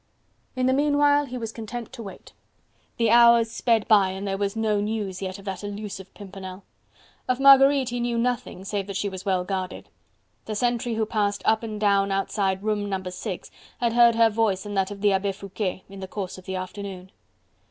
In the meanwhile he was content to wait. The hours sped by and there was no news yet of that elusive Pimpernel. Of Marguerite he knew nothing save that she was well guarded; the sentry who passed up and down outside room No. 6 had heard her voice and that of the Abbe Foucquet, in the course of the afternoon.